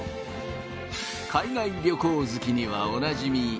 海外旅行好きにはおなじみ